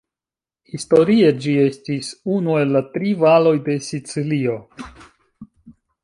Historie, ĝi estis unu el la tri valoj de Sicilio.